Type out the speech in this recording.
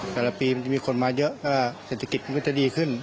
แต่ละปีมันจะมีคนมาเยอะก็เศรษฐกิจมันก็จะดีขึ้น